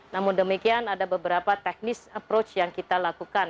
namun demikian ada beberapa teknis approach yang kita lakukan